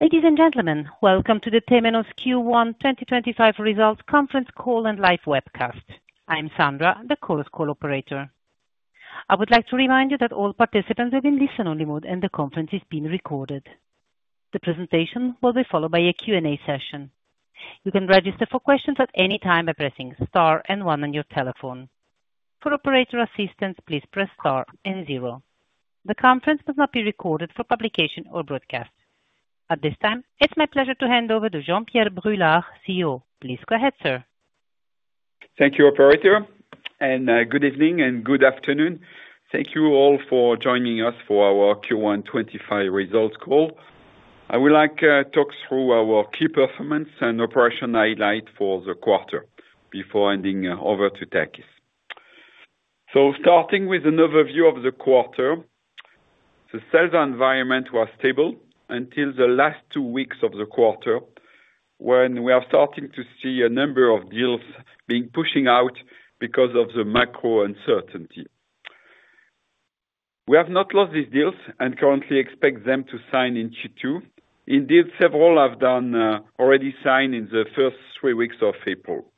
Ladies and gentlemen, welcome to the Temenos Q1 2025 Results Conference Call and Live Webcast. I'm Sandra, the Chorus Call's operator. I would like to remind you that all participants are in listen-only mode, and the conference is being recorded. The presentation will be followed by a Q&A session. You can register for questions at any time by pressing star and one on your telephone. For operator assistance, please press star and zero. The conference will not be recorded for publication or broadcast. At this time, it's my pleasure to hand over to Jean-Pierre Brulard, CEO. Please go ahead, sir. Thank you, Operator. Good evening and good afternoon. Thank you all for joining us for our Q1 2025 results call. I would like to talk through our key performance and operational highlights for the quarter before handing over to Takis. Starting with an overview of the quarter, the sales environment was stable until the last two weeks of the quarter, when we are starting to see a number of deals being pushed out because of the macro uncertainty. We have not lost these deals and currently expect them to sign in Q2. Indeed, several have already signed in the first three weeks of April.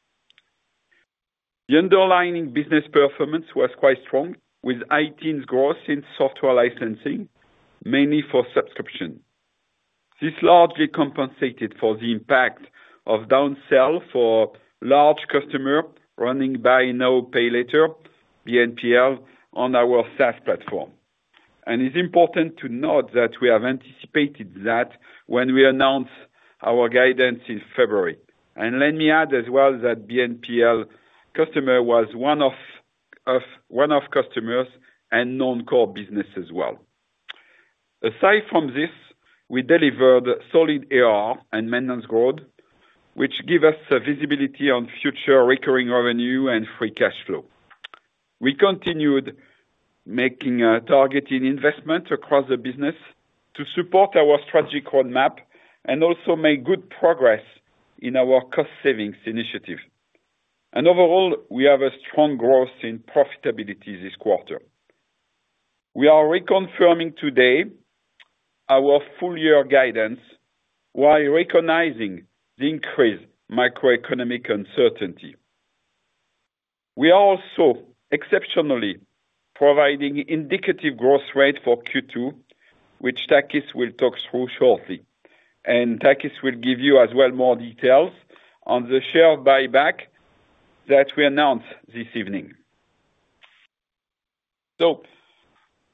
The underlying business performance was quite strong, with 18% growth in software licensing, mainly for subscription. This largely compensated for the impact of downsell for large customers running Buy Now Pay Later (BNPL) on our SaaS platform. It is important to note that we have anticipated that when we announced our guidance in February. Let me add as well that the BNPL customer was one of our customers and known core business as well. Aside from this, we delivered solid ARR and maintenance growth, which gave us visibility on future recurring revenue and free cash flow. We continued targeting investment across the business to support our strategic roadmap and also made good progress in our cost savings initiative. Overall, we have strong growth in profitability this quarter. We are reconfirming today our full-year guidance while recognizing the increased macroeconomic uncertainty. We are also exceptionally providing an indicative growth rate for Q2, which Takis will talk through shortly. Takis will give you as well more details on the share buyback that we announced this evening.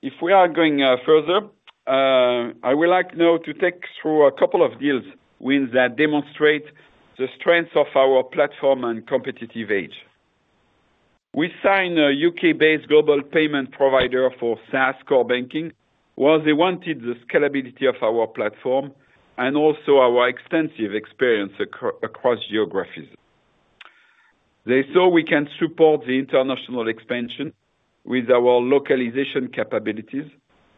If we are going further, I would like now to take you through a couple of deals that demonstrate the strength of our platform and competitive edge. We signed a U.K.-based global payment provider for SaaS core banking while they wanted the scalability of our platform and also our extensive experience across geographies. They saw we can support the international expansion with our localization capabilities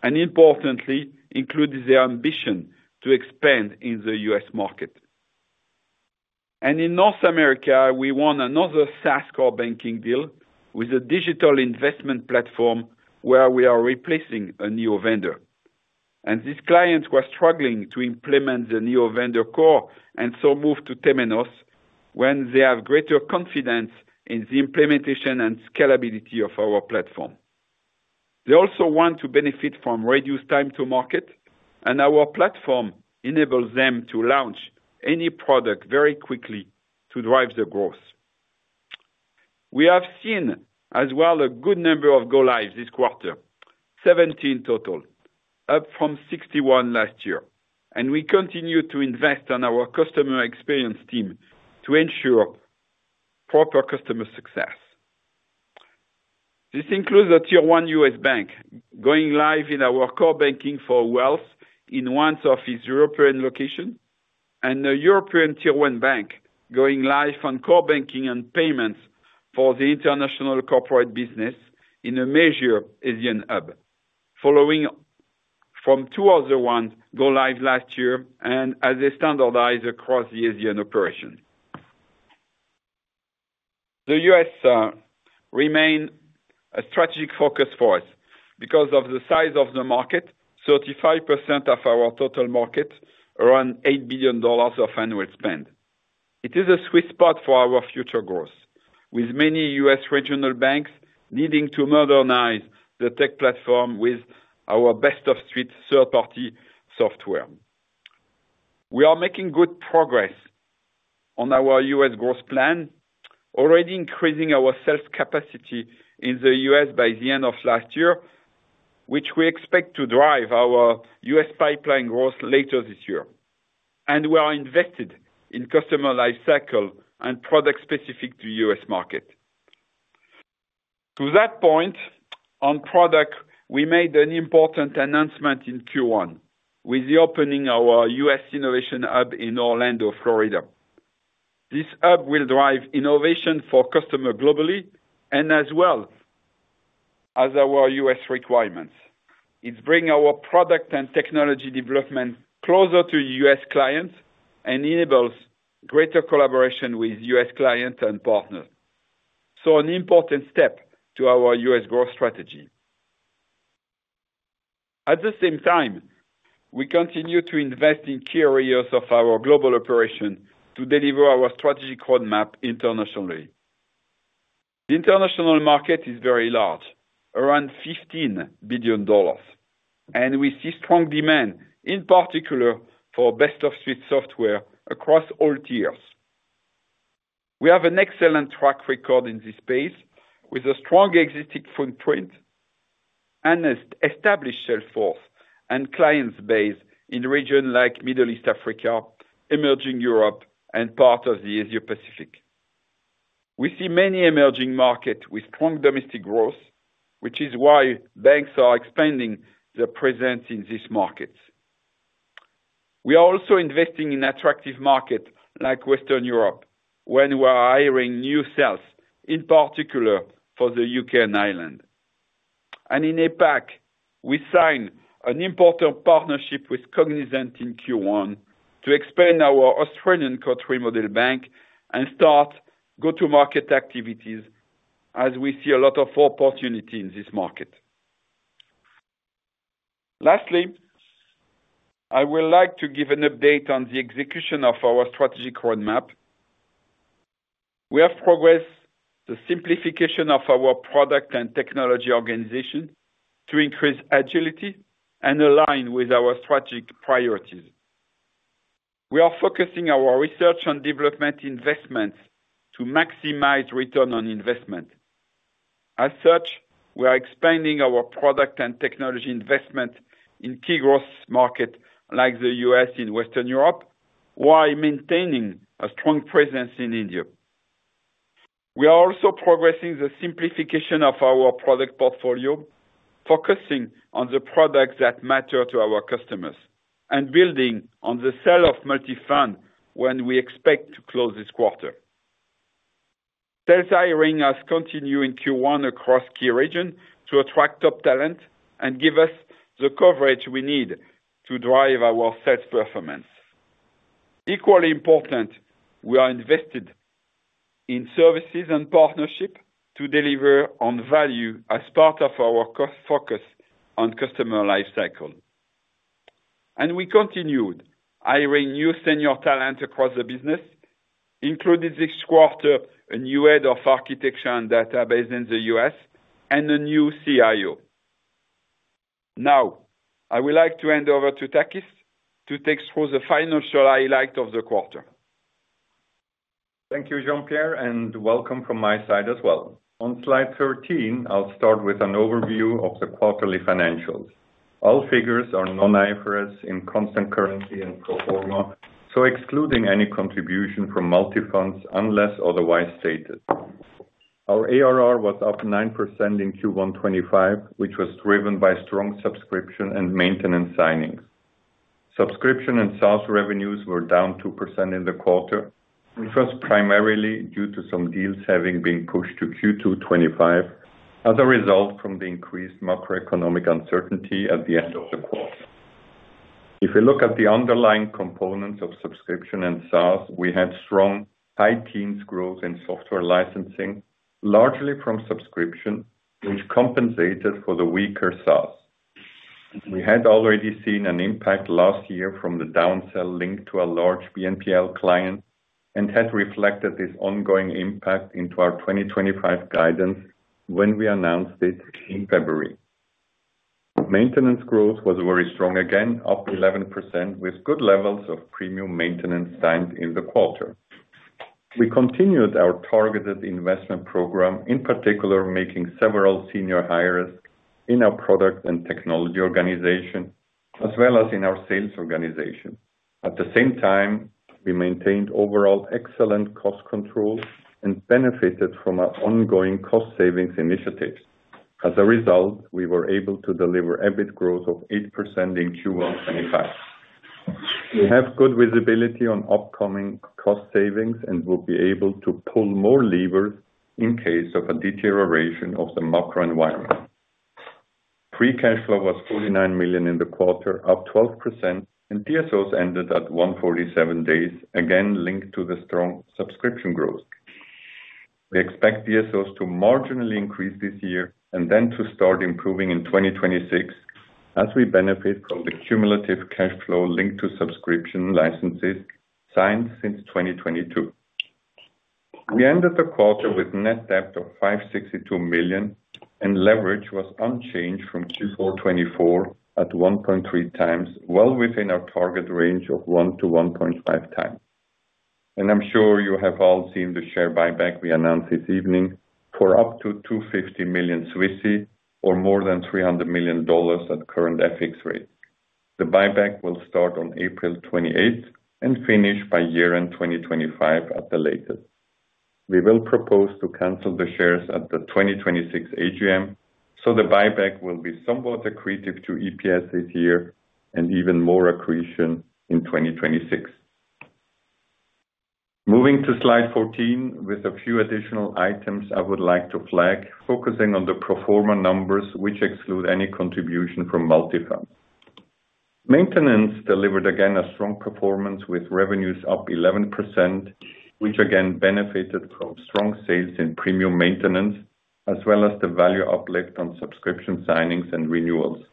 and, importantly, included their ambition to expand in the U.S. market. In North America, we won another SaaS core banking deal with a digital investment platform where we are replacing a neo vendor. This client was struggling to implement the neo vendor core and so moved to Temenos when they have greater confidence in the implementation and scalability of our platform. They also want to benefit from reduced time to market, and our platform enables them to launch any product very quickly to drive the growth. We have seen as well a good number of go-lives this quarter, 70 total, up from 61 the last year. We continue to invest in our customer experience team to ensure proper customer success. This includes a Tier 1 U.S. bank going live in our core banking for wealth in one of its European locations, and a European Tier 1 bank going live on core banking and payments for the international corporate business in a major Asian hub, following from two other ones go-live last year as they standardize across the Asian operation. The U.S. remains a strategic focus for us because of the size of the market: 35% of our total market, around $8 billion of annual spend. It is a sweet spot for our future growth, with many U.S. regional banks needing to modernize the tech platform with our best-of-breed third-party software. We are making good progress on our U.S. growth plan, already increasing our sales capacity in the U.S. by the end of last year, which we expect to drive our U.S. pipeline growth later this year. We are invested in customer lifecycle and product-specific to the U.S. market. To that point, on product, we made an important announcement in Q1 with the opening of our U.S. Innovation Hub in Orlando, Florida. This hub will drive innovation for customers globally as well as our U.S. requirements. It brings our product and technology development closer to U.S. clients and enables greater collaboration with U.S. clients and partners. An important step to our U.S. growth strategy. At the same time, we continue to invest in key areas of our global operation to deliver our strategic roadmap internationally. The international market is very large, around $15 billion, and we see strong demand, in particular for best-of-breed software across all tiers. We have an excellent track record in this space with a strong existing footprint and an established sales force and client base in regions like Middle East, Africa, emerging Europe, and parts of the Asia-Pacific. We see many emerging markets with strong domestic growth, which is why banks are expanding their presence in these markets. We are also investing in attractive markets like Western Europe when we are hiring new sales, in particular for the U.K. and Ireland. In APAC, we signed an important partnership with Cognizant in Q1 to expand our Australian Country Model Bank and start go-to-market activities as we see a lot of opportunities in this market. Lastly, I would like to give an update on the execution of our strategic roadmap. We have progressed the simplification of our product and technology organization to increase agility and align with our strategic priorities. We are focusing our research and development investments to maximize return on investment. As such, we are expanding our product and technology investment in key growth markets like the U.S. and Western Europe, while maintaining a strong presence in India. We are also progressing the simplification of our product portfolio, focusing on the products that matter to our customers and building on the sale of Multifonds which we expect to close this quarter. Sales hiring has continued in Q1 across key regions to attract top talent and give us the coverage we need to drive our sales performance. Equally important, we are invested in services and partnerships to deliver on value as part of our focus on customer lifecycle. We continued hiring new senior talent across the business, including this quarter a new Head of Architecture and Data based in the U.S. and a new CIO. Now, I would like to hand over to Takis to take through the financial highlights of the quarter. Thank you, Jean-Pierre, and welcome from my side as well. On slide 13, I'll start with an overview of the quarterly financials. All figures are non-IFRS in constant currency and pro forma, so excluding any contribution from Multifonds unless otherwise stated. Our ARR was up 9% in Q1 2025, which was driven by strong subscription and maintenance signings. Subscription and SaaS revenues were down 2% in the quarter, which was primarily due to some deals having been pushed to Q2 2025 as a result from the increased macroeconomic uncertainty at the end of the quarter. If we look at the underlying components of subscription and SaaS, we had strong high teens growth in software licensing, largely from subscription, which compensated for the weaker SaaS. We had already seen an impact last year from the downsell linked to a large BNPL client and had reflected this ongoing impact into our 2025 guidance when we announced it in February. Maintenance growth was very strong again, up 11%, with good levels of premium maintenance signed in the quarter. We continued our targeted investment program, in particular making several senior hires in our product and technology organization as well as in our sales organization. At the same time, we maintained overall excellent cost control and benefited from our ongoing cost savings initiatives. As a result, we were able to deliver EBIT growth of 8% in Q1 2025. We have good visibility on upcoming cost savings and will be able to pull more levers in case of a deterioration of the macro environment. Free cash flow was $49 million in the quarter, up 12%, and DSOs ended at 147 days, again linked to the strong subscription growth. We expect DSOs to marginally increase this year and then to start improving in 2026 as we benefit from the cumulative cash flow linked to subscription licenses signed since 2022. We ended the quarter with net debt of $562 million, and leverage was unchanged from Q4 2024 at 1.3x, well within our target range of 1x-1.5x. I am sure you have all seen the share buyback we announced this evening for up to 250 million, or more than $300 million at the current FX rate. The buyback will start on April 28 and finish by year-end 2025 at the latest. We will propose to cancel the shares at the 2026 AGM, so the buyback will be somewhat accretive to EPS this year and even more accretion in 2026. Moving to slide 14, with a few additional items I would like to flag, focusing on the pro forma numbers, which exclude any contribution from Multifonds. Maintenance delivered again a strong performance with revenues up 11%, which again benefited from strong sales in premium maintenance as well as the value uplift on subscription signings and renewals.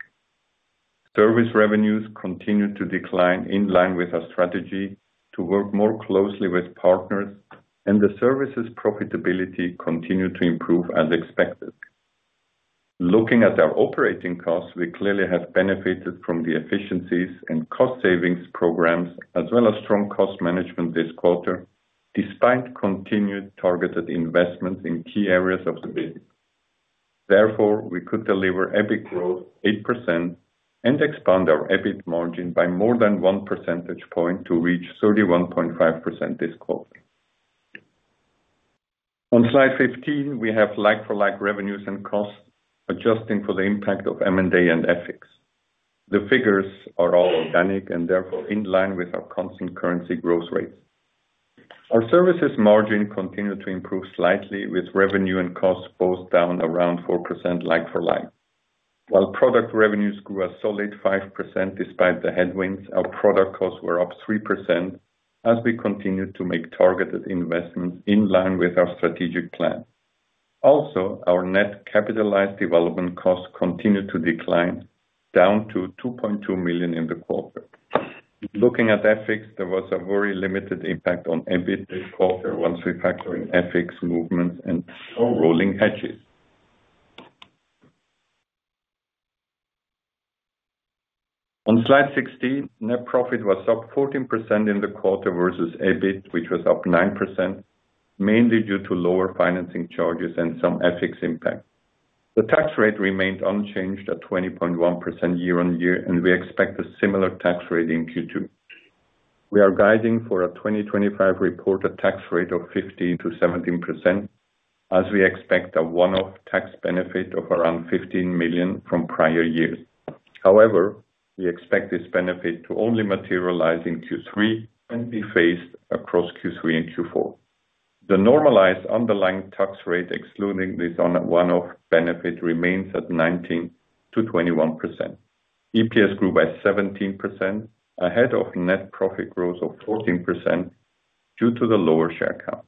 Service revenues continued to decline in line with our strategy to work more closely with partners, and the services profitability continued to improve as expected. Looking at our operating costs, we clearly have benefited from the efficiencies and cost savings programs as well as strong cost management this quarter, despite continued targeted investments in key areas of the business. Therefore, we could deliver EBIT growth 8% and expand our EBIT margin by more than 1 percentage point to reach 31.5% this quarter. On slide 15, we have like-for-like revenues and costs adjusting for the impact of M&A and FX. The figures are all organic and therefore in line with our constant currency growth rates. Our services margin continued to improve slightly, with revenue and costs both down around 4% like-for-like. While product revenues grew a solid 5% despite the headwinds, our product costs were up 3% as we continued to make targeted investments in line with our strategic plan. Also, our net capitalized development costs continued to decline, down to $2.2 million in the quarter. Looking at FX, there was a very limited impact on EBIT this quarter once we factor in FX movements and rolling hedges. On slide 16, net profit was up 14% in the quarter versus EBIT, which was up 9%, mainly due to lower financing charges and some FX impact. The tax rate remained unchanged at 20.1% year-on-year, and we expect a similar tax rate in Q2. We are guiding for a 2025 reported tax rate of 15%-17% as we expect a one-off tax benefit of around $15 million from prior years. However, we expect this benefit to only materialize in Q3 and be phased across Q3 and Q4. The normalized underlying tax rate excluding this one-off benefit remains at 19%-21%. EPS grew by 17% ahead of net profit growth of 14% due to the lower share cap.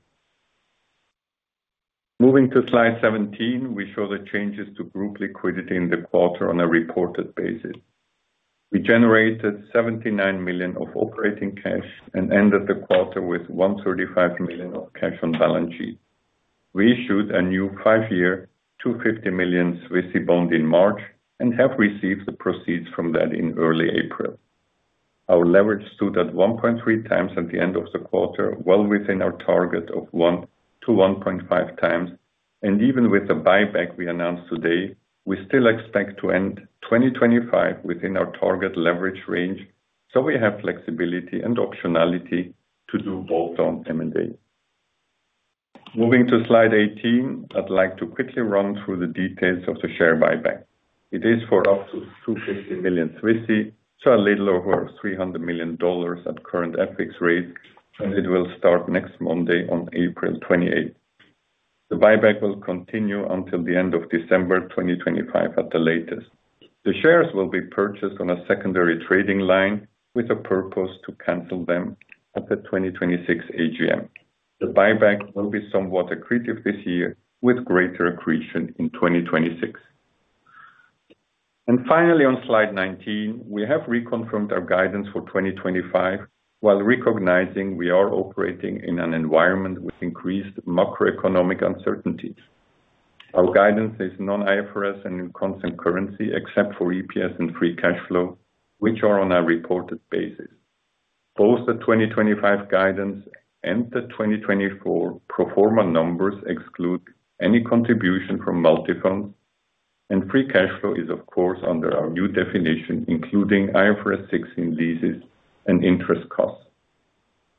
Moving to slide 17, we show the changes to group liquidity in the quarter on a reported basis. We generated $79 million of operating cash and ended the quarter with $135 million of cash on balance sheet. We issued a new five-year 250 million Swissie bond in March and have received the proceeds from that in early April. Our leverage stood at 1.3x at the end of the quarter, well within our target of 1x-1.5x, and even with the buyback we announced today, we still expect to end 2025 within our target leverage range, so we have flexibility and optionality to do both on M&A. Moving to slide 18, I'd like to quickly run through the details of the share buyback. It is for up to 250 million Swissie, so a little over $300 million at current FX rates, and it will start next Monday on April 28. The buyback will continue until the end of December 2025 at the latest. The shares will be purchased on a secondary trading line with a purpose to cancel them at the 2026 AGM. The buyback will be somewhat accretive this year with greater accretion in 2026. Finally, on slide 19, we have reconfirmed our guidance for 2025 while recognizing we are operating in an environment with increased macroeconomic uncertainties. Our guidance is non-IFRS and in constant currency except for EPS and free cash flow, which are on a reported basis. Both the 2025 guidance and the 2024 pro forma numbers exclude any contribution from Multifonds, and free cash flow is, of course, under our new definition, including IFRS 16 leases and interest costs.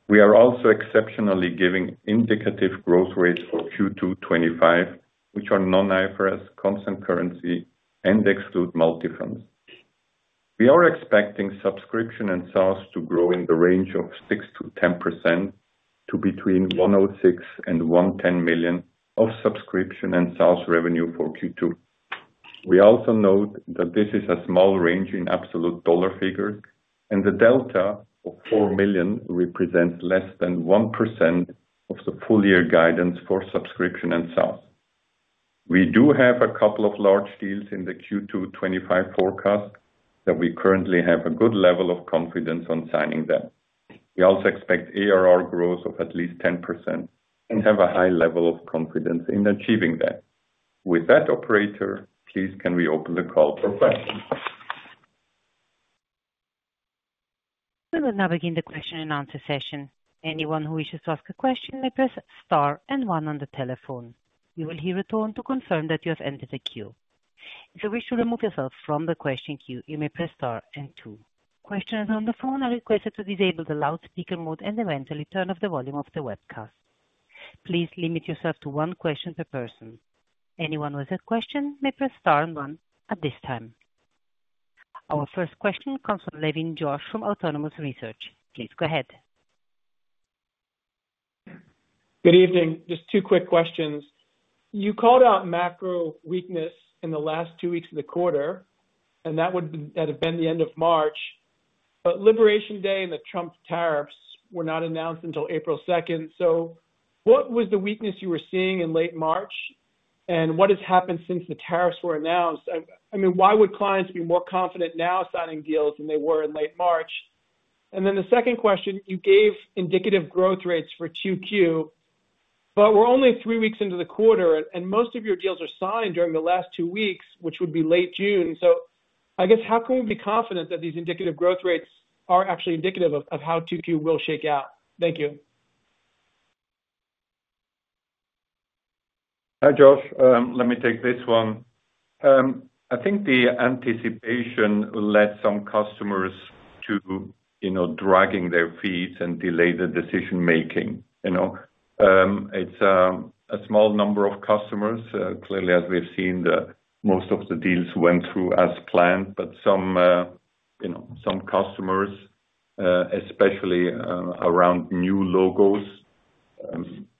We are also exceptionally giving indicative growth rates for Q2 2025, which are non-IFRS, constant currency, and exclude Multifonds. We are expecting subscription and SaaS to grow in the range of 6%-10% to between $106 million and $110 million of subscription and SaaS revenue for Q2. We also note that this is a small range in absolute dollar figures, and the delta of $4 million represents less than 1% of the full-year guidance for subscription and SaaS. We do have a couple of large deals in the Q2 2025 forecast that we currently have a good level of confidence on signing them. We also expect ARR growth of at least 10% and have a high level of confidence in achieving that. With that, Operator, please can we open the call for questions? We will now begin the question-and-answer session. Anyone who wishes to ask a question may press star and one on the telephone. You will hear a tone to confirm that you have entered the queue. If you wish to remove yourself from the question queue, you may press star and two. Questioners on the phone are requested to disable the loudspeaker mode and eventually turn off the volume of the webcast. Please limit yourself to one question per person. Anyone with a question may press star and one at this time. Our first question comes from Josh Levin from Autonomous Research. Please go ahead. Good evening. Just two quick questions. You called out macro weakness in the last two weeks of the quarter, and that would have been the end of March, but Liberation Day and the Trump tariffs were not announced until April 2. What was the weakness you were seeing in late March? What has happened since the tariffs were announced? I mean, why would clients be more confident now signing deals than they were in late March? The second question, you gave indicative growth rates for 2Q, but we're only three weeks into the quarter, and most of your deals are signed during the last two weeks, which would be late June. I guess, how can we be confident that these indicative growth rates are actually indicative of how 2Q will shake out? Thank you. Hi, Josh. Let me take this one. I think the anticipation led some customers to dragging their feet and delay the decision-making. It's a small number of customers. Clearly, as we've seen, most of the deals went through as planned, but some customers, especially around new logos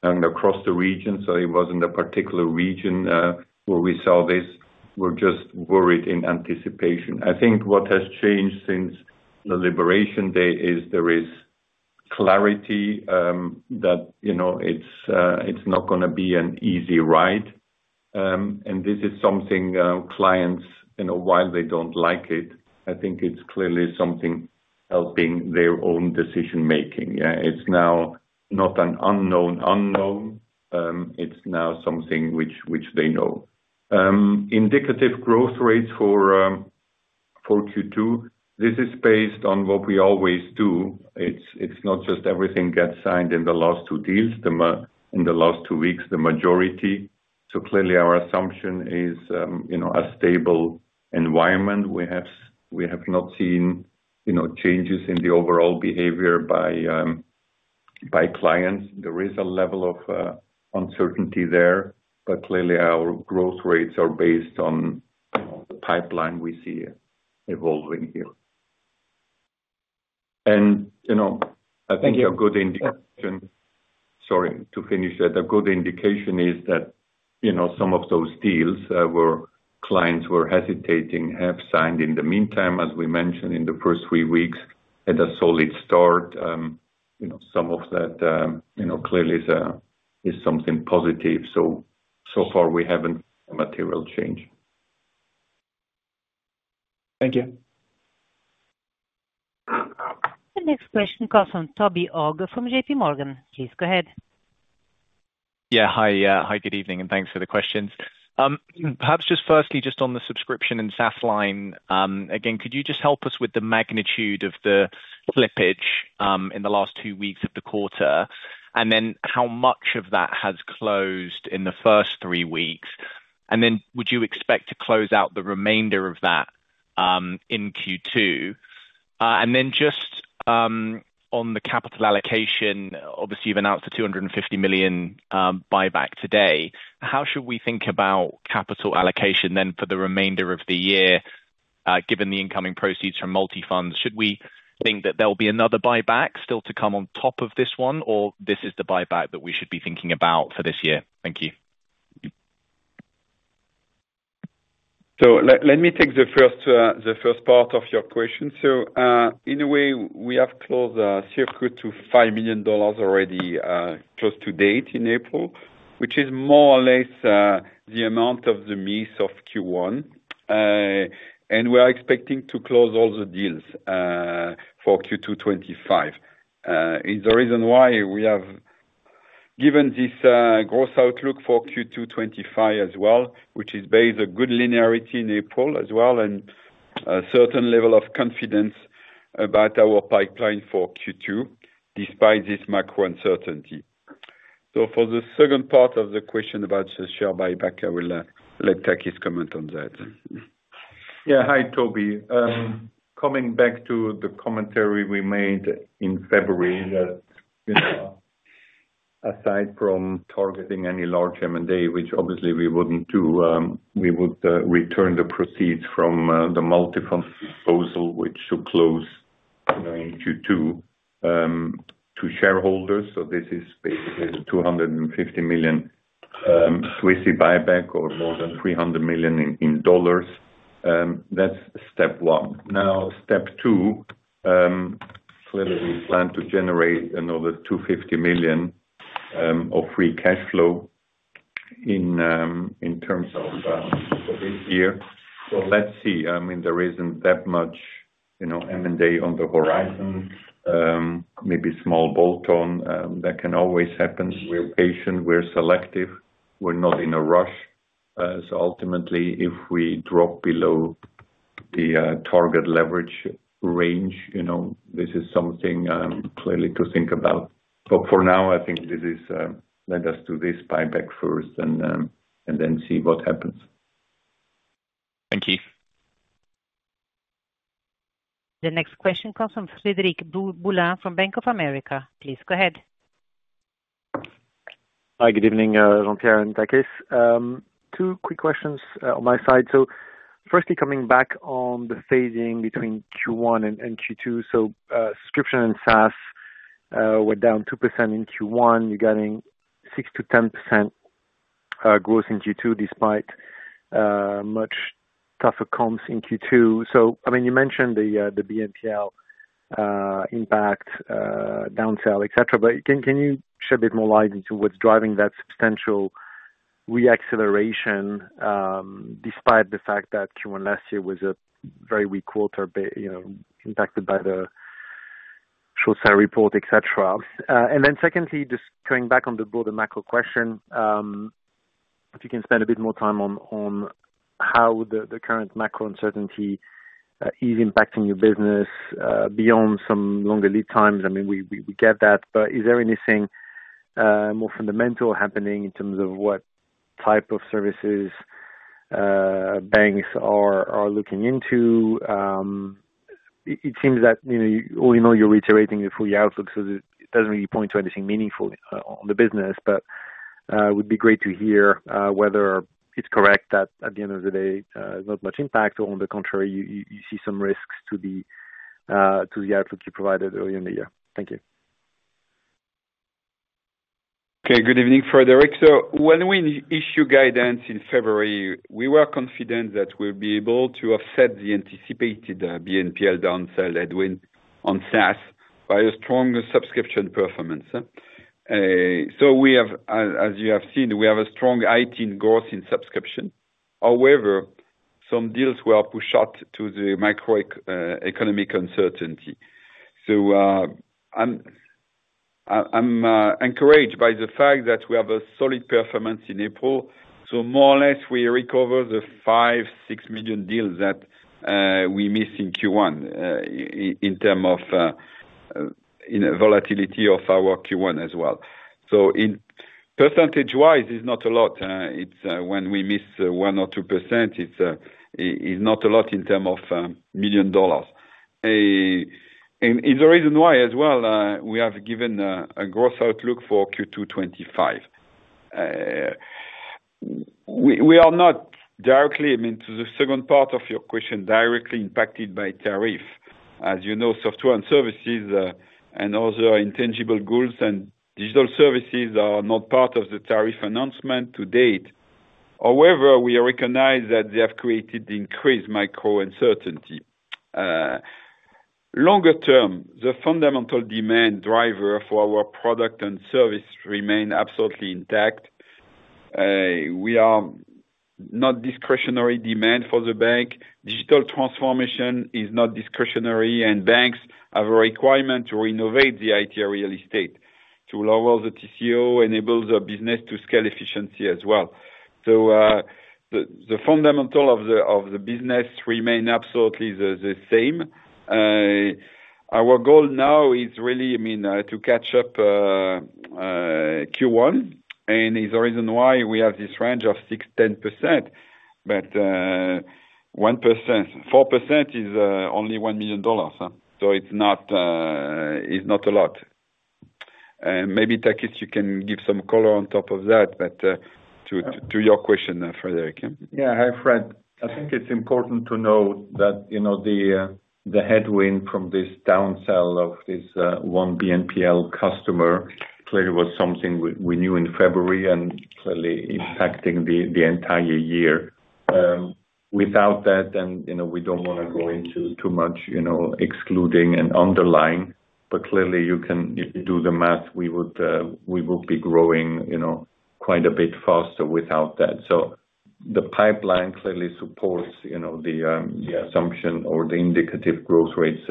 and across the region, so it wasn't a particular region where we saw this, were just worried in anticipation. I think what has changed since the Liberation Day is there is clarity that it's not going to be an easy ride. This is something clients, while they don't like it, I think it's clearly something helping their own decision-making. It's now not an unknown unknown. It's now something which they know. Indicative growth rates for Q2, this is based on what we always do. It's not just everything gets signed in the last two deals in the last two weeks, the majority. Clearly, our assumption is a stable environment. We have not seen changes in the overall behavior by clients. There is a level of uncertainty there, but clearly, our growth rates are based on the pipeline we see evolving here. I think a good indication—sorry, to finish that—a good indication is that some of those deals where clients were hesitating have signed in the meantime, as we mentioned in the first three weeks, had a solid start. Some of that clearly is something positive. So far, we haven't seen a material change. Thank you. The next question comes from Toby Ogg from JPMorgan. Please go ahead. Yeah. Hi. Hi, good evening, and thanks for the question. Perhaps just firstly just on the subscription and SaaS line. Again, could you just help us with the magnitude of the slippage in the last two weeks of the quarter? And then how much of that has closed in the first three weeks? Would you expect to close out the remainder of that in Q2? Just on the capital allocation, obviously, you've announced a 250 million buyback today. How should we think about capital allocation then for the remainder of the year, given the incoming proceeds from Multifonds? Should we think that there'll be another buyback still to come on top of this one, or this is the buyback that we should be thinking about for this year? Thank you. Let me take the first part of your question. In a way, we have closed a circa to $5 million already close to date in April, which is more or less the amount of the miss of Q1. We are expecting to close all the deals for Q2 2025. It is the reason why we have given this gross outlook for Q2 2025 as well, which is based on a good linearity in April as well and a certain level of confidence about our pipeline for Q2 despite this macro uncertainty. For the second part of the question about the share buyback, I will let Takis comment on that. Yeah. Hi, Toby. Coming back to the commentary we made in February, aside from targeting any large M&A, which obviously we wouldn't do, we would return the proceeds from the Multifonds proposal, which should close in Q2 to shareholders. This is basically the 250 million buyback or more than $300 million. That's step one. Step two, clearly, we plan to generate another 250 million of free cash flow in terms of this year. Let's see. I mean, there isn't that much M&A on the horizon, maybe small bolt-on. That can always happen. We're patient. We're selective. We're not in a rush. Ultimately, if we drop below the target leverage range, this is something clearly to think about. For now, I think this is let us do this buyback first and then see what happens. Thank you. The next question comes from Frederic Boulan from Bank of America. Please go ahead. Hi, good evening, Jean-Pierre and Takis. Two quick questions on my side. Firstly, coming back on the phasing between Q1 and Q2, subscription and SaaS were down 2% in Q1. You're getting 6%-10% growth in Q2 despite much tougher comps in Q2. I mean, you mentioned the BNPL impact, downsell, etc., but can you shed a bit more light into what's driving that substantial reacceleration despite the fact that Q1 last year was a very weak quarter impacted by the short-sale report, etc.? Secondly, just coming back on the broader macro question, if you can spend a bit more time on how the current macro uncertainty is impacting your business beyond some longer lead times. I mean, we get that, but is there anything more fundamental happening in terms of what type of services banks are looking into? It seems that all in all, you're reiterating the full-year outlook, so it doesn't really point to anything meaningful on the business, but it would be great to hear whether it's correct that at the end of the day, not much impact, or on the contrary, you see some risks to the outlook you provided earlier in the year. Thank you. Okay. Good evening, Frederic. When we issued guidance in February, we were confident that we would be able to offset the anticipated BNPL downsell headwind on SaaS by a strong subscription performance. As you have seen, we have a strong 18% growth in subscription. However, some deals were pushed out due to the macroeconomic uncertainty. I am encouraged by the fact that we have a solid performance in April. More or less, we recover the $5 million-$6 million deals that we missed in Q1 in terms of volatility of our Q1 as well. Percentage-wise, it is not a lot. When we miss 1% or 2%, it is not a lot in terms of million dollars. The reason why as well, we have given a gross outlook for Q2 2025. We are not directly, I mean, to the second part of your question, directly impacted by tariff. As you know, software and services and other intangible goals and digital services are not part of the tariff announcement to date. However, we recognize that they have created the increased macro uncertainty. Longer term, the fundamental demand driver for our product and service remains absolutely intact. We are not discretionary demand for the bank. Digital transformation is not discretionary, and banks have a requirement to renovate the IT real estate to lower the TCO, enable the business to scale efficiency as well. The fundamental of the business remains absolutely the same. Our goal now is really, I mean, to catch up Q1, and it is the reason why we have this range of 6%-10%. 4% is only $1 million, so it is not a lot. Maybe, Takis, you can give some color on top of that, but to your question, Frederic. Yeah. Hi, Fred. I think it's important to note that the headwind from this downsell of this one BNPL customer clearly was something we knew in February and clearly impacting the entire year. Without that, then we don't want to go into too much excluding and underlying, but clearly, you can do the math. We would be growing quite a bit faster without that. The pipeline clearly supports the assumption or the indicative growth rates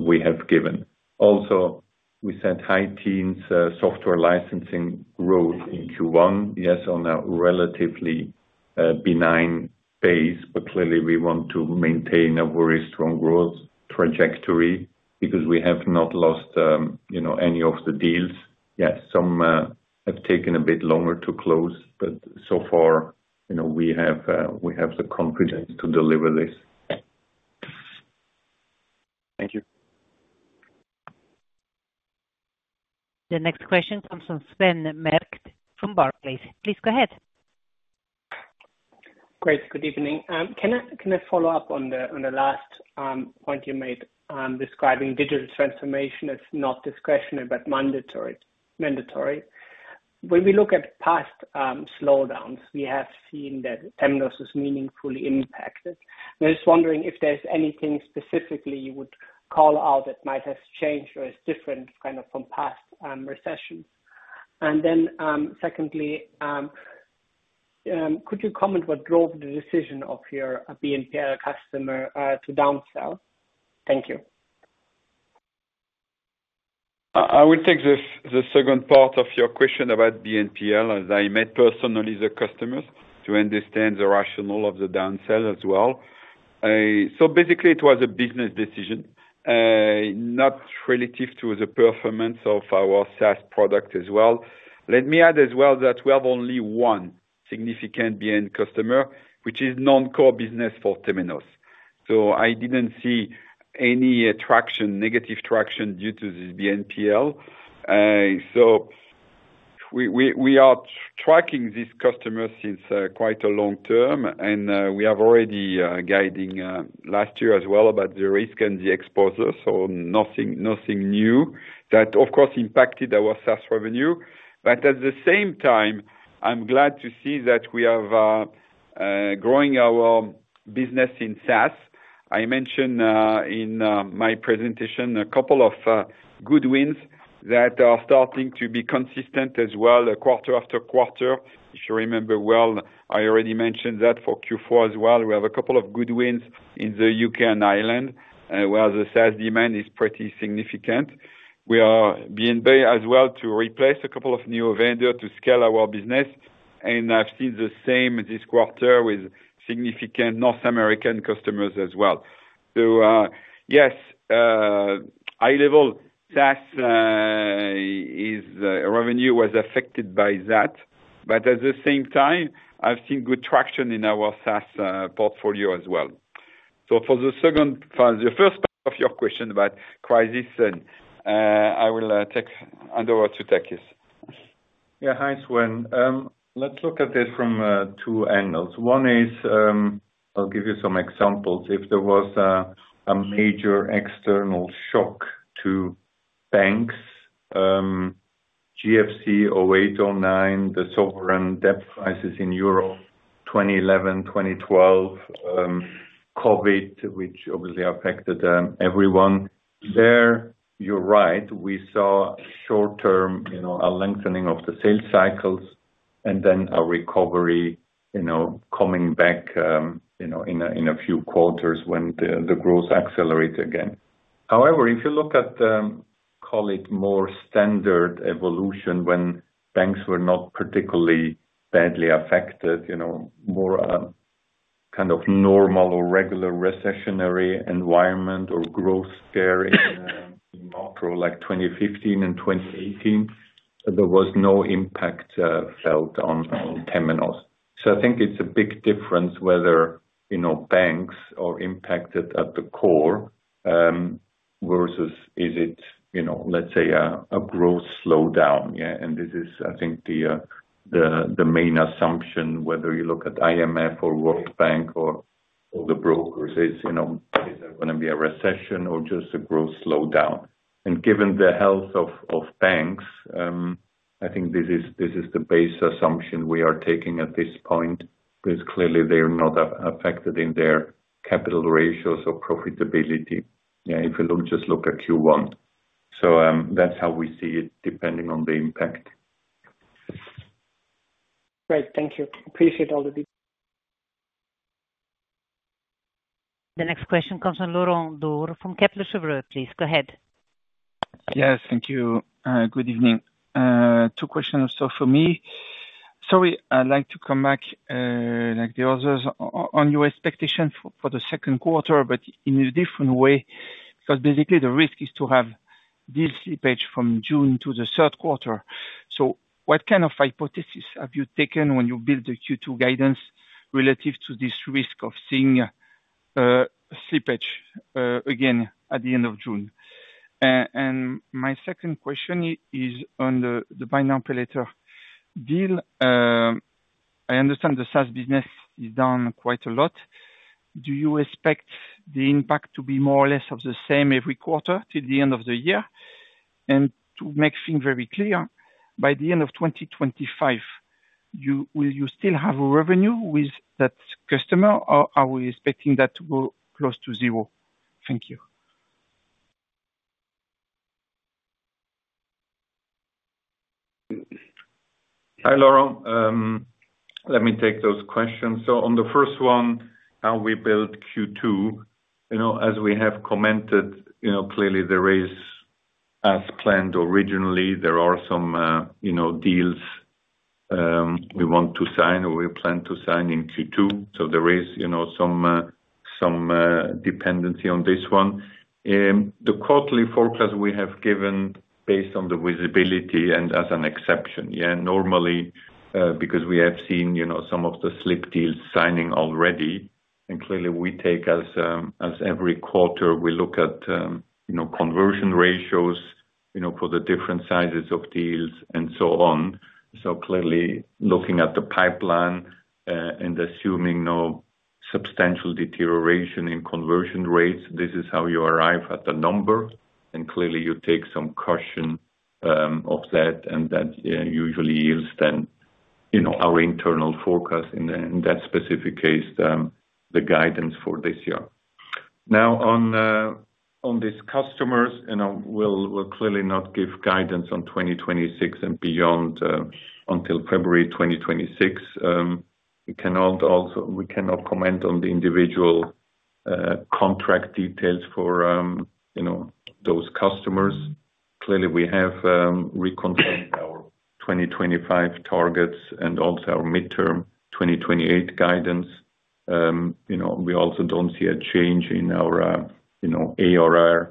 we have given. Also, we said high teens software licensing growth in Q1, yes, on a relatively benign base, but clearly, we want to maintain a very strong growth trajectory because we have not lost any of the deals. Yes, some have taken a bit longer to close, but so far, we have the confidence to deliver this. Thank you. The next question comes from Sven Merkt from Barclays. Please go ahead. Great. Good evening. Can I follow up on the last point you made describing digital transformation as not discretionary but mandatory? When we look at past slowdowns, we have seen that losses meaningfully impacted. I'm just wondering if there's anything specifically you would call out that might have changed or is different kind of from past recessions. Secondly, could you comment on what drove the decision of your BNPL customer to downsell? Thank you. I would take the second part of your question about BNPL as I met personally the customers to understand the rationale of the downsell as well. It was a business decision, not relative to the performance of our SaaS product as well. Let me add as well that we have only one significant BN customer, which is non-core business for Temenos. I did not see any negative traction due to this BNPL. We are tracking this customer since quite a long term, and we have already guided last year as well about the risk and the exposure, so nothing new that, of course, impacted our SaaS revenue. At the same time, I am glad to see that we are growing our business in SaaS. I mentioned in my presentation a couple of good wins that are starting to be consistent as well, quarter after quarter. If you remember well, I already mentioned that for Q4 as well. We have a couple of good wins in the U.K. and Ireland where the SaaS demand is pretty significant. We are being paid as well to replace a couple of new vendors to scale our business, and I have seen the same this quarter with significant North American customers as well. Yes, high-level SaaS revenue was affected by that, but at the same time, I have seen good traction in our SaaS portfolio as well. For the first part of your question about crisis, I will take the word to Takis. Yeah. Hi, Sven. Let's look at this from two angles. One is I'll give you some examples. If there was a major external shock to banks, GFC 2008, 2009, the sovereign debt crisis in Europe 2011, 2012, COVID, which obviously affected everyone, there, you're right, we saw short-term a lengthening of the sales cycles and then a recovery coming back in a few quarters when the growth accelerates again. However, if you look at the, call it, more standard evolution when banks were not particularly badly affected, more kind of normal or regular recessionary environment or growth scare in macro like 2015 and 2018, there was no impact felt on Temenos. So I think it's a big difference whether banks are impacted at the core versus is it, let's say, a growth slowdown. Yeah. This is, I think, the main assumption whether you look at IMF or World Bank or the brokers, is there going to be a recession or just a growth slowdown? Given the health of banks, I think this is the base assumption we are taking at this point because clearly, they are not affected in their capital ratios or profitability. Yeah. If you just look at Q1. That is how we see it depending on the impact. Great. Thank you. Appreciate all the details. The next question comes from Laurent Daure from Kepler Cheuvreux, please. Go ahead. Yes. Thank you. Good evening. Two questions also for me. Sorry, I'd like to come back like the others on your expectation for the second quarter, but in a different way because basically, the risk is to have this slippage from June to the third quarter. What kind of hypothesis have you taken when you build the Q2 guidance relative to this risk of seeing a slippage again at the end of June? My second question is on the BNPL deal. I understand the SaaS business is down quite a lot. Do you expect the impact to be more or less the same every quarter till the end of the year? To make things very clear, by the end of 2025, will you still have revenue with that customer, or are we expecting that to go close to zero? Thank you. Hi, Laurent. Let me take those questions. On the first one, how we build Q2, as we have commented, clearly, there is, as planned originally, there are some deals we want to sign or we plan to sign in Q2. There is some dependency on this one. The quarterly forecast we have given is based on the visibility and as an exception. Normally, because we have seen some of the slipped deals signing already, and clearly, we take as every quarter, we look at conversion ratios for the different sizes of deals and so on. Clearly, looking at the pipeline and assuming no substantial deterioration in conversion rates, this is how you arrive at the number, and clearly, you take some caution of that, and that usually yields then our internal forecast in that specific case, the guidance for this year. Now, on these customers, we'll clearly not give guidance on 2026 and beyond until February 2026. We cannot comment on the individual contract details for those customers. Clearly, we have reconfirmed our 2025 targets and also our midterm 2028 guidance. We also don't see a change in our ARR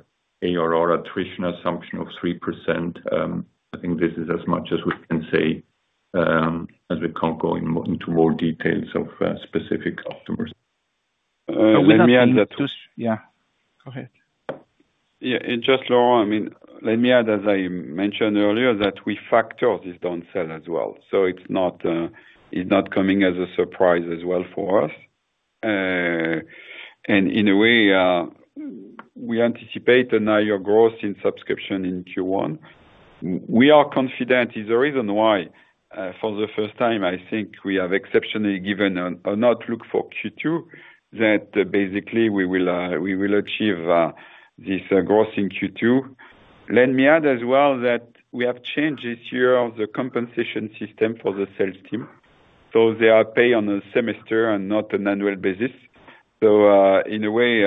attrition assumption of 3%. I think this is as much as we can say as we can't go into more details of specific customers. Let me add that. Yeah. Go ahead. Yeah. Just Laurent, I mean, let me add, as I mentioned earlier, that we factor this downsell as well. It is not coming as a surprise as well for us. In a way, we anticipate a higher growth in subscription in Q1. We are confident. It is the reason why for the first time, I think we have exceptionally given an outlook for Q2 that basically, we will achieve this growth in Q2. Let me add as well that we have changed this year the compensation system for the sales team. They are paid on a semester and not an annual basis. In a way,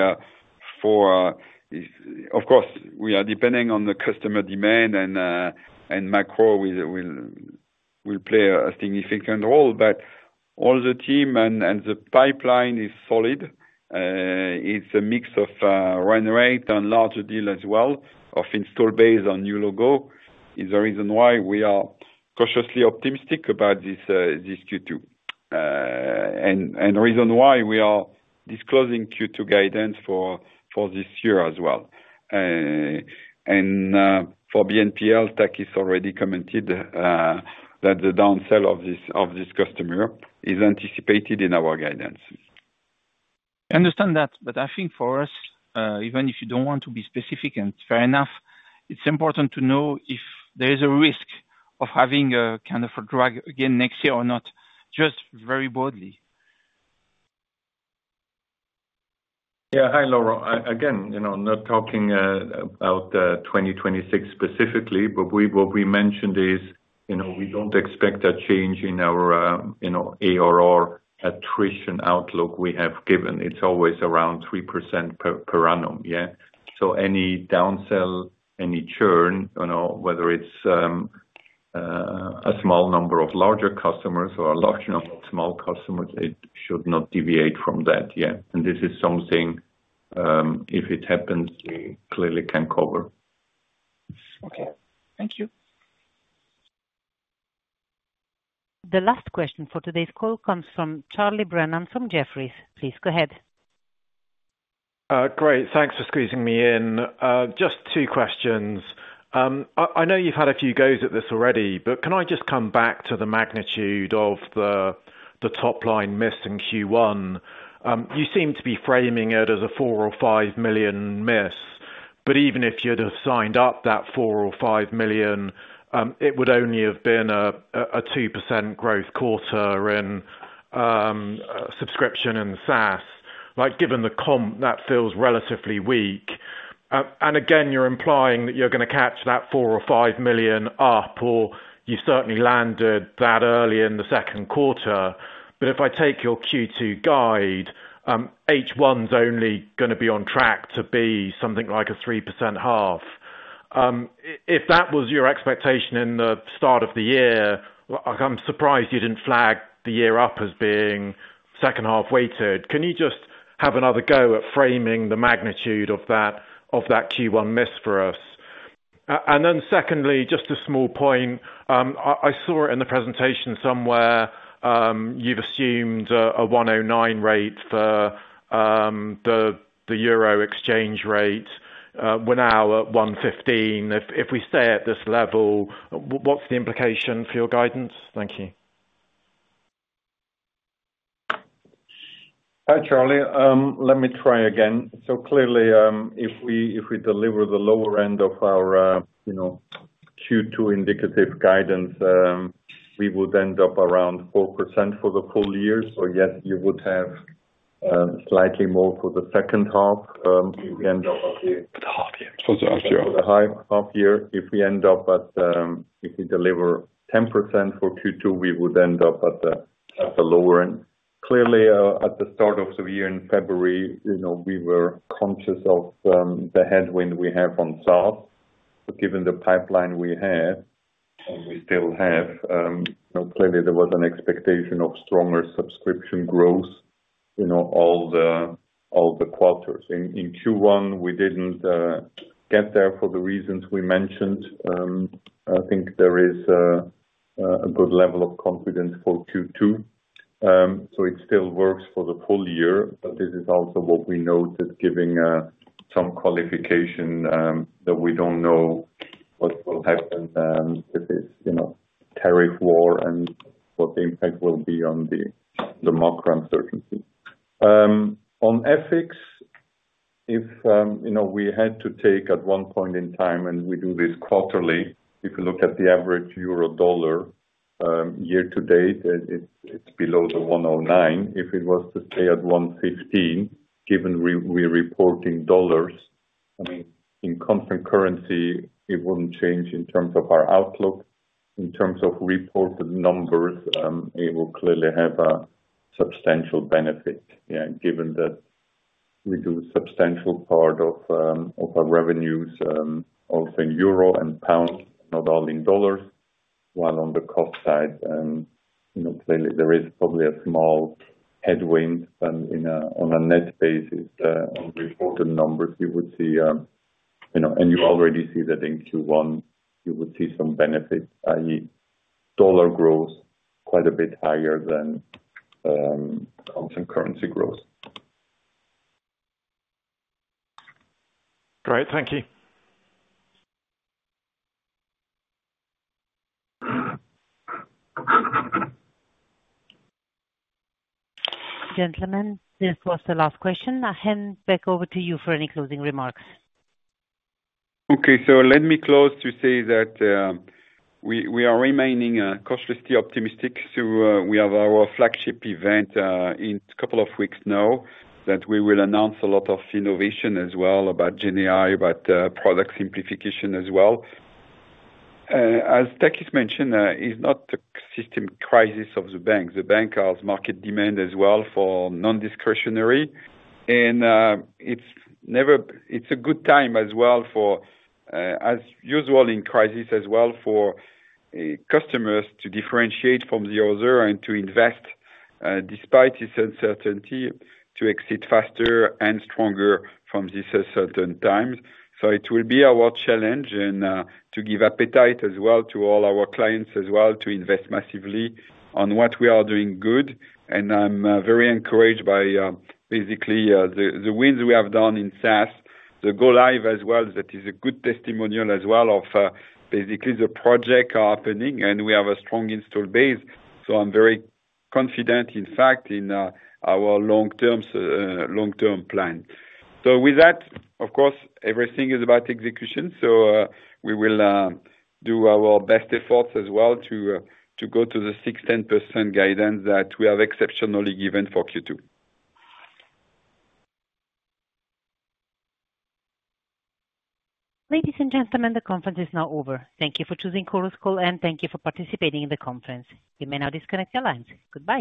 of course, we are depending on the customer demand, and macro will play a significant role, but all the team and the pipeline is solid. It is a mix of run rate and larger deal as well of installed base on new logo. It's the reason why we are cautiously optimistic about this Q2 and the reason why we are disclosing Q2 guidance for this year as well. For BNPL, Takis already commented that the downsell of this customer is anticipated in our guidance. I understand that, but I think for us, even if you don't want to be specific, and fair enough, it's important to know if there is a risk of having a kind of a drag again next year or not, just very broadly. Yeah. Hi, Laurent. Again, not talking about 2026 specifically, but what we mentioned is we do not expect a change in our ARR attrition outlook we have given. It is always around 3% per annum. Yeah. So any downsell, any churn, whether it is a small number of larger customers or a large number of small customers, it should not deviate from that. Yeah. This is something if it happens, we clearly can cover. Okay. Thank you. The last question for today's call comes from Charlie Brennan from Jefferies. Please go ahead. Great. Thanks for squeezing me in. Just two questions. I know you've had a few goes at this already, but can I just come back to the magnitude of the top-line miss in Q1? You seem to be framing it as a $4 million or $5 million miss, but even if you'd have signed up that $4 million or $5 million, it would only have been a 2% growth quarter in subscription and SaaS. Given the comp, that feels relatively weak. Again, you're implying that you're going to catch that $4 million or $5 million up, or you certainly landed that early in the second quarter. If I take your Q2 guide, H1's only going to be on track to be something like a 3% half. If that was your expectation in the start of the year, I'm surprised you didn't flag the year up as being second half weighted. Can you just have another go at framing the magnitude of that Q1 miss for us? Secondly, just a small point, I saw it in the presentation somewhere. You've assumed a 1.09 rate for the EUR exchange rate. We're now at 1.15. If we stay at this level, what's the implication for your guidance? Thank you. Hi, Charlie. Let me try again. Clearly, if we deliver the lower end of our Q2 indicative guidance, we would end up around 4% for the full year. Yes, you would have slightly more for the second half if we end up at the. For the half year. For the half year. If we end up at if we deliver 10% for Q2, we would end up at the lower end. Clearly, at the start of the year in February, we were conscious of the headwind we have on SaaS. Given the pipeline we have and we still have, clearly, there was an expectation of stronger subscription growth all the quarters. In Q1, we did not get there for the reasons we mentioned. I think there is a good level of confidence for Q2. It still works for the full year, but this is also what we noted giving some qualification that we do not know what will happen with this tariff war and what the impact will be on the macro uncertainty. On ethics, if we had to take at one point in time, and we do this quarterly, if you look at the average EUR/USD year to date, it's below the 1.09. If it was to stay at 1.15, given we're reporting dollars, I mean, in constant currency, it wouldn't change in terms of our outlook. In terms of reported numbers, it will clearly have a substantial benefit. Yeah. Given that we do a substantial part of our revenues also in EUR and GBP, not all in dollars, while on the cost side, clearly, there is probably a small headwind on a net basis. On reported numbers, you would see and you already see that in Q1, you would see some benefit, i.e., dollar growth quite a bit higher than constant currency growth. Great. Thank you. Gentlemen, this was the last question. I'll hand back over to you for any closing remarks. Okay. Let me close to say that we are remaining cautiously optimistic. We have our flagship event in a couple of weeks now that we will announce a lot of innovation as well about Gen AI, about product simplification as well. As Takis mentioned, it is not a system crisis of the bank. The bank has market demand as well for non-discretionary. It is a good time as well, as usual in crisis, as well for customers to differentiate from the other and to invest despite this uncertainty to exit faster and stronger from these uncertain times. It will be our challenge and to give appetite as well to all our clients as well to invest massively on what we are doing good. I am very encouraged by basically the wins we have done in SaaS, the go-live as well. That is a good testimonial as well of basically the project happening, and we have a strong installed base. I am very confident, in fact, in our long-term plan. With that, of course, everything is about execution. We will do our best efforts as well to go to the 6-10% guidance that we have exceptionally given for Q2. Ladies and gentlemen, the conference is now over. Thank you for choosing Chorus Call and thank you for participating in the conference. You may now disconnect your lines. Goodbye.